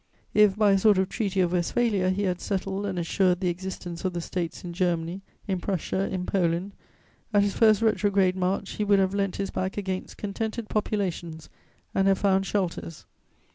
If, by a sort of Treaty of Westphalia, he had settled and assured the existence of the States in Germany, in Prussia, in Poland, at his first retrograde march he would have leant his back against contented populations and have found shelters.